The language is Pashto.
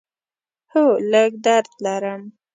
هو، لږ درد لرم